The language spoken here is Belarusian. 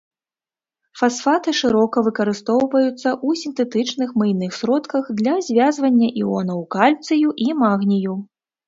Фасфаты шырока выкарыстоўваюцца ў сінтэтычных мыйных сродках для звязвання іонаў кальцыю і магнію.